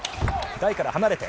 台から離れて。